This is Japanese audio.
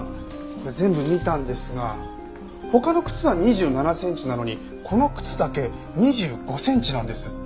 これ全部見たんですが他の靴は２７センチなのにこの靴だけ２５センチなんです。